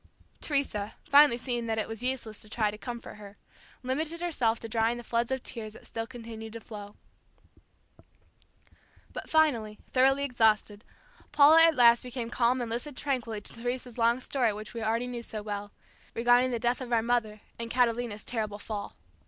Teresa, finally seeing that it was useless to try to comfort her, limited herself to drying the floods of tears that still continued to flow. But finally, thoroughly exhausted, Paula at last became calm and listened tranquilly to Teresa's long story which we already knew so well, regarding the death of our mother and Catalina's terrible fall.